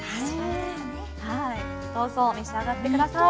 はいどうぞ召し上がってください。